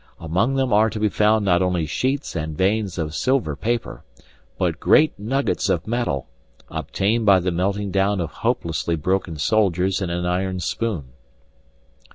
Among them are to be found not only sheets and veins of silver paper, but great nuggets of metal, obtained by the melting down of hopelessly broken soldiers in an iron spoon.